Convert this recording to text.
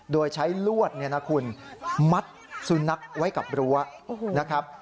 โดยใช้ลวดเนี่ยนะคุณมัดสุนัขไว้กับรั้วนะครับ